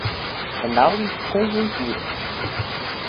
Análise de conjuntura